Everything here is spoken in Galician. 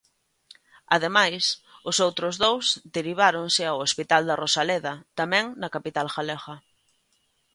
Ademais, os outros dous deriváronse ao Hospital da Rosaleda, tamén na capital galega.